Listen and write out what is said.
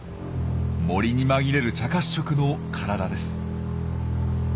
森に紛れる茶褐色の体です。